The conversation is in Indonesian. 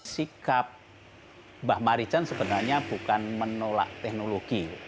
sikap mbah marijan sebenarnya bukan menolak teknologi